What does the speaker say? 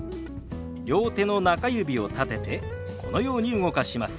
両手の中指を立ててこのように動かします。